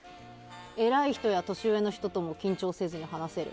偉い人や年上の人とも緊張せずに話せる。